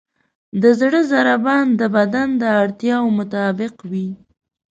د زړه ضربان د بدن د اړتیاوو مطابق وي.